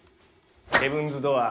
ヘブンズ・ドアー。